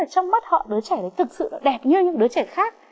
trong mắt họ đứa trẻ đấy thực sự đẹp như những đứa trẻ khác